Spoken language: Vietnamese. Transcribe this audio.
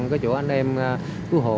cái chỗ anh em cứu hộ